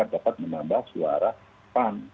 dan menambah suara pan